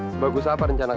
sebagus apa rencana kamu